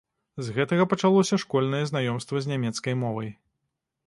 З гэтага пачалося школьнае знаёмства з нямецкай мовай.